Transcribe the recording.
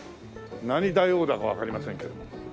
何大王だかわかりませんけども。